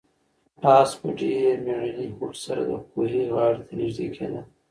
آس په ډېر مېړني هوډ سره د کوهي غاړې ته نږدې کېده.